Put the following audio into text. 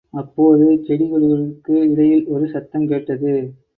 அப்போது, செடிகொடிகளுக்கு இடையில் ஒரு சத்தம் கேட்டது.